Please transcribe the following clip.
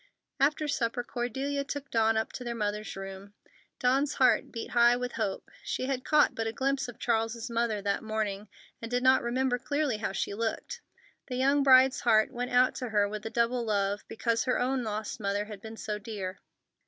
After supper Cordelia took Dawn up to their mother's room. Dawn's heart beat high with hope. She had caught but a glimpse of Charles's mother that morning, and did not remember clearly how she looked. The young bride's heart went out to her with a double love, because her own lost mother had been so dear.